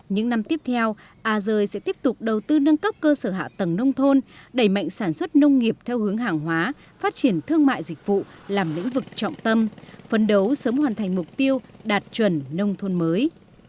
những năm tiếp theo a rơi sẽ tiếp tục đầu tư nâng cấp cơ sở hạ tầng nông thôn đẩy mạnh sản xuất nông nghiệp theo hướng hàng hóa phát triển thương mại dịch vụ làm lĩnh vực trọng tâm phấn đấu sớm hoàn thành mục tiêu đạt chuẩn nông thôn mới